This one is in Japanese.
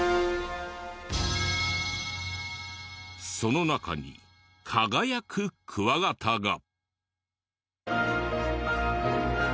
その中に輝くクワガタが。